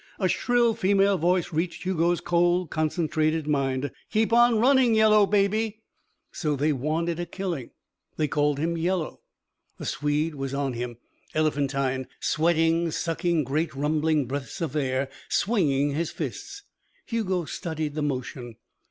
A shrill female voice reached Hugo's cold, concentrated mind: "Keep on running, yellow baby!" So. They wanted a killing. They called him yellow. The Swede was on him, elephantine, sweating, sucking great, rumbling breaths of air, swinging his fists. Hugo studied the motion.